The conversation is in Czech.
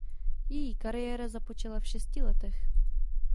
Její kariéra započala v šesti letech.